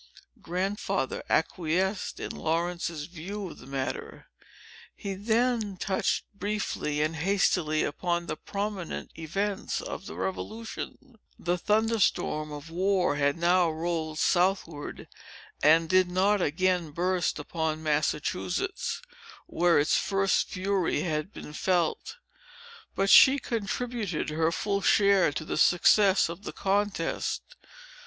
Grandfather acquiesced in Laurence's view of the matter. He then touched briefly and hastily upon the prominent events of the Revolution. The thunder storm of war had now rolled southward, and did not again burst upon Massachusetts, where its first fury had been felt. But she contributed her full share to the success of the contest.